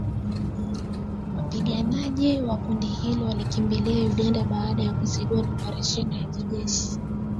Wapiganaji wa kundi hilo walikimbilia Uganda baada ya kuzidiwa na operesheni ya kijeshi